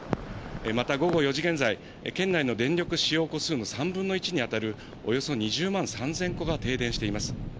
また、午後４時現在、県内の電力使用戸数の３分の１に当たるおよそ２０万３０００戸が停電しています。